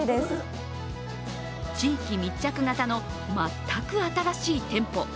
地域密着型の全く新しい店舗。